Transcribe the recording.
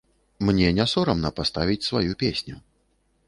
Мне не сорамна паставіць сваю песню.